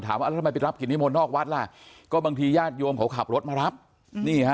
ว่าแล้วทำไมไปรับกิจนิมนต์นอกวัดล่ะก็บางทีญาติโยมเขาขับรถมารับนี่ฮะ